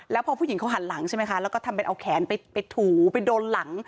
แล้วพอผู้หญิงเขาหันหลังใช่ไหมคะแล้วก็ทำเป็นเอาแขนไปถูไปโดนหลัง